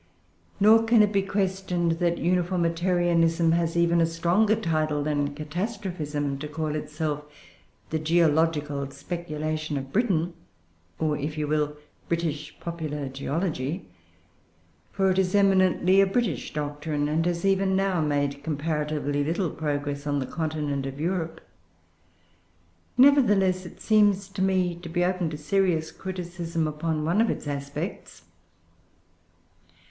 Nor can it be questioned that Uniformitarianism has even a stronger title than Catastrophism to call itself the geological speculation of Britain, or, if you will, British popular geology. For it is eminently a British doctrine, and has even now made comparatively little progress on the continent of Europe. Nevertheless, it seems to me to be open to serious criticism upon one of its aspects.